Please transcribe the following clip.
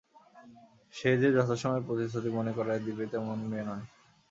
সে যে যথাসময়ে প্রতিশ্রুতি মনে করাইয়া দিবে তেমন মেয়ে নয়।